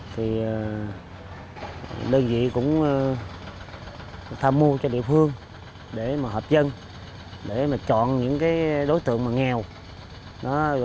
thì đơn vị cũng tham mưu cho địa phương để mà hợp dân để mà chọn những đối tượng mà nghèo